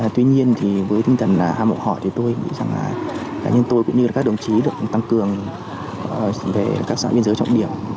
tuy nhiên thì với tinh thần là a mộ hỏi thì tôi nghĩ rằng là cá nhân tôi cũng như là các đồng chí được tăng cường về các xã biên giới trọng điểm